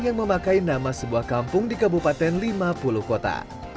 yang memakai nama sebuah kampung di kabupaten lima puluh kota